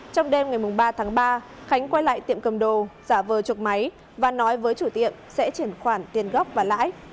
trong đêm ngày ba tháng ba khánh quay lại tiệm cầm đồ giả vờ chuộc máy và nói với chủ tiệm sẽ chuyển khoản tiền gốc và lãi